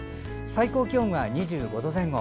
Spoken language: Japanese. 最高気温は２５度前後。